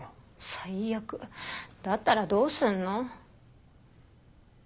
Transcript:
最悪だったらどうすんの？